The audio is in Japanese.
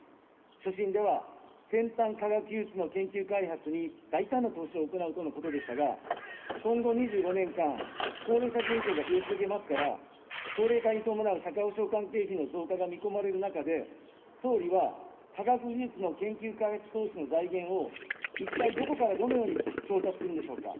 所信では先端科学技術の研究開発に大胆な投資を行うとのことでしたが、今後２５年間、高齢者人口が増え続けますから、高齢化に伴う社会保障関係費の増加が見込まれる中で、総理は、科学技術の研究開発投資の財源を、一体どこからどのように調達するんでしょうか。